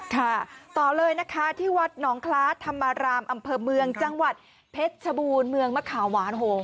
ค่ะต่อเลยนะคะที่วัดหนองคล้าธรรมรามอำเภอเมืองจังหวัดเพชรชบูรณ์เมืองมะขาวหวานโห